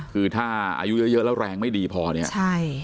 คือถ้าอายุเยอะแล้วแรงไม่ดีพอเนี่ยใช่